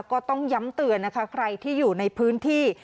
ก็ต้องย้ำเตือนนะคะใครที่อยู่ในพื้นที่